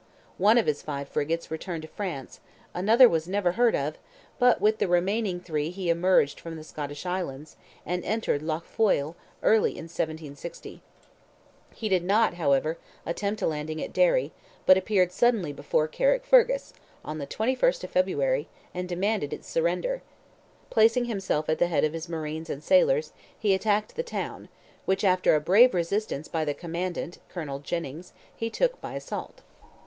One of his five frigates returned to France, another was never heard of, but with the remaining three he emerged from the Scottish Islands, and entered Lough Foyle early in 1760. He did not, however, attempt a landing at Derry, but appeared suddenly before Carrickfergus, on the 21st of February, and demanded its surrender. Placing himself at the head of his marines and sailors, he attacked the town, which, after a brave resistance by the commandant, Colonel Jennings, he took by assault.